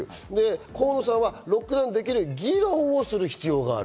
河野さんはロックダウンできるよう議論する必要がある。